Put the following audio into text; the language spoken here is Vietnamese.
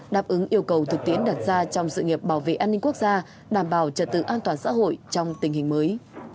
đáp ứng yêu cầu thực tiễn đặt ra trong sự nghiệp bảo vệ an ninh quốc gia đảm bảo trật tự an toàn xã hội trong tình hình mới